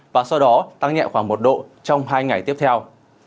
và sau đó tăng nhẹ khoảng một độ trong hai ngày tiếp theo